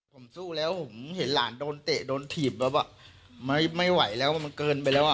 ผมสู้แล้วผมเห็นหลานโดนเตะโดนถีบแบบว่าไม่ไหวแล้วมันเกินไปแล้วอ่ะ